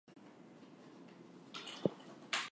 Artwork was created by Tim DeLaughter.